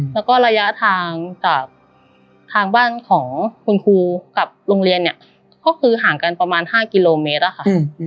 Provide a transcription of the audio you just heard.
แล้วก็ระยะทางจากทางบ้านของคุณครูกับโรงเรียนเนี่ยก็คือห่างกันประมาณ๕กิโลเมตรอะค่ะ